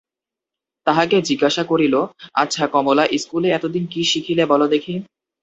তাহাকে জিজ্ঞাসা করিল, আচ্ছা, কমলা, ইস্কুলে এতদিন কী শিখিলে বলো দেখি।